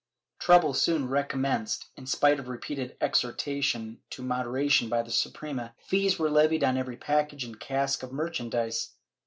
Trouble soon recommenced; in spite of repeated exhortation to moderation by the Suprema, fees were levied on every package and cask of merchandise.